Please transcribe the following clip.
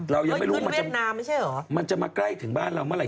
เรายังไม่รู้ว่ามันจะมาใกล้ถึงบ้านเราเมื่อไห